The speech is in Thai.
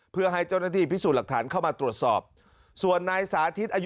เพื่อให้เจ้าหน้าที่พิสูจน์หลักฐานเข้ามาตรวจสอบส่วนนายสาธิตอายุ